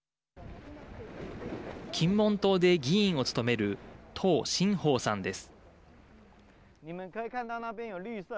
金門島で議員を務める董森堡さんです。